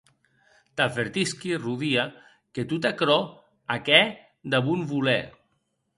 T’avertisqui, Rodia, que tot aquerò ac hè de bon voler.